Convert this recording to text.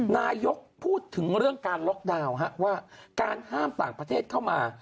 นายกพูดถึงเรื่องการล็อกดาวน์ว่าการห้ามต่างประเทศเข้ามา